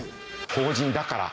法人だから。